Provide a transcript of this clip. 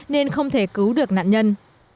nên không thể cứu được nạn nhân